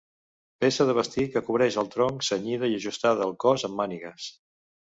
Peça de vestir que cobreix el tronc cenyida i ajustada al cos, amb mànigues.